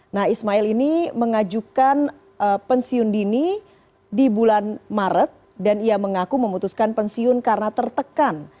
nah ismail ini mengajukan pensiun dini di bulan maret dan ia mengaku memutuskan pensiun karena tertekan